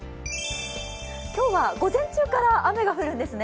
今日は午前中から雨が降るんですね。